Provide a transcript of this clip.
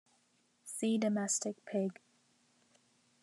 See domestic pig.